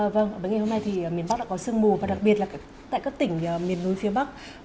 vâng với ngày hôm nay thì miền bắc đã có sương mù và đặc biệt là tại các tỉnh miền núi phía bắc